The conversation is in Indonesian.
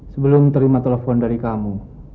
sebelum terima telepon dari kamu